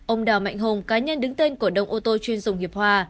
ông đào mạnh hùng cá nhân đứng tên cổ đông ô tô chuyên dùng hiệp hòa